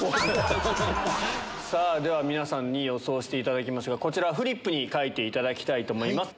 では皆さんに予想していただきますがこちらフリップに書いていただきたいと思います。